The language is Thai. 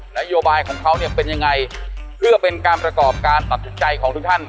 นโยบายของเขาเนี่ยเป็นยังไงเพื่อเป็นการประกอบการตัดสินใจของทุกท่าน